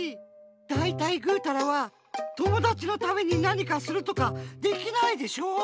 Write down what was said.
だいたいぐうたらは友だちのためになにかするとかできないでしょ？